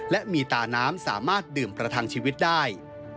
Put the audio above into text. และมีตาน้ำสามารถดื่มประทังชีวิตได้